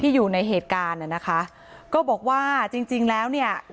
อยู่ในเหตุการณ์น่ะนะคะก็บอกว่าจริงจริงแล้วเนี่ย